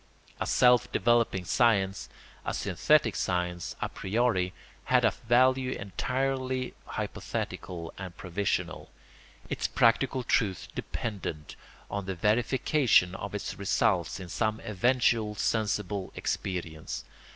A self developing science, a synthetic science a priori, had a value entirely hypothetical and provisional; its practical truth depended on the verification of its results in some eventual sensible experience.